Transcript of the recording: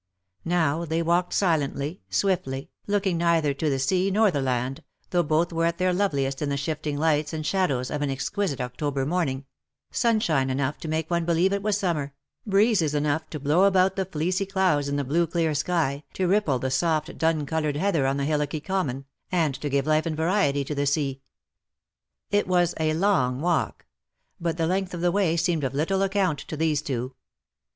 Now they walked silently, swiftly, looking neither to the sea nor the land, though both were at their loveliest in the shifting lights and shadows of an exquisite October morning — sunshine enongh to make one believe it was summer — breezes enough to blow about the fleecy clouds in the blue clear sky, to ripple the soft dun coloured heather on the hillocky common, and to give life and variety to the sea. It was a long walk ; but the length of the way seemed of little account to these two.